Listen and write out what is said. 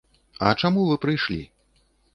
А чаму вы прыйшлі?